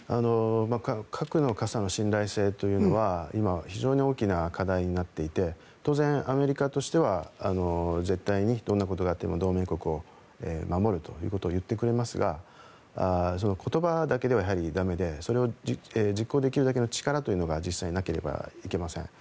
核の傘の信頼性というのは今、非常に大きな課題になっていて当然、アメリカとしては絶対にどんなことがあっても同盟国を守るということを言ってくれますが言葉だけではやはりだめでそれを実行できるだけの力がなければいけません。